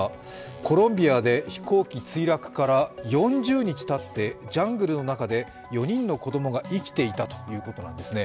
コロンビアで飛行機墜落から４０日たってジャングルの中で４人の子供が生きていたということなんですね。